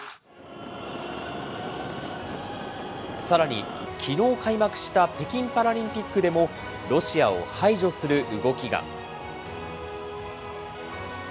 さらに、きのう開幕した北京パラリンピックでも、ロシアを排除する動きが。